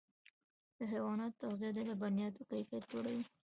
د حیواناتو تغذیه د لبنیاتو کیفیت لوړوي.